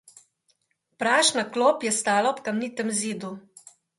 Prašna klop je stala ob kamnitem zidu.